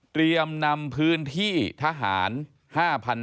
เตรียมนำพื้นที่ทหาร๕๐๐๐ไร่